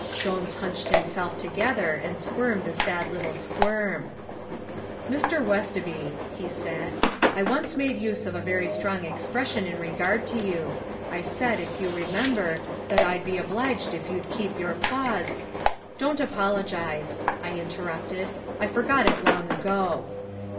Jones hunched himself together, and squirmed a sad little squirm. "Mr. Westoby," he said, "I once made use of a very strong expression in regard to you. I said, if you remember, that I'd be obliged if you'd keep your paws " "Don't apologize," I interrupted. "I forgot it long ago."